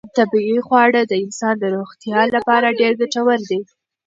طبیعي خواړه د انسان د روغتیا لپاره ډېر ګټور دي.